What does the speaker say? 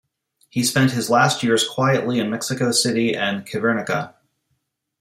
He spent his last years quietly in Mexico City and Cuernavaca.